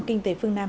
kinh tế phương nam